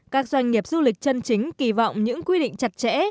các doanh nghiệp du lịch chân chính kỳ vọng những quy định chặt chẽ